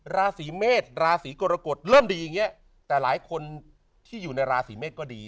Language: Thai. ราศีเมษราศีกรกฎเริ่มดีอย่างนี้แต่หลายคนที่อยู่ในราศีเมษก็ดี